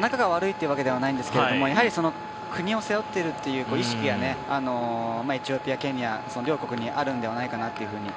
仲が悪いというわけではないんですけどやはり国を背負っているという意識が、エチオピア、ケニア両国にあるのではないかなといふうに。